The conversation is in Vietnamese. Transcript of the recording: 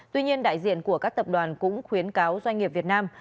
tuy nhiên đại diện của các tập đoàn cũng khuyến cáo doanh nghiệp việt nam